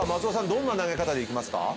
どんな投げ方でいきますか？